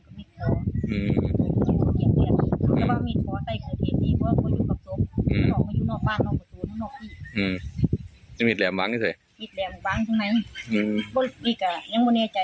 โอ้ยมันไม่ได้ไปพิษกันแล้วนะมันนั้นเนอะ